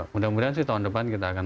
mudah mudahan sih tahun depan kita akan